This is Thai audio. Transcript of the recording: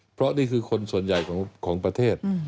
เพราะนี่คือคนส่วนใหญ่ของประเทศ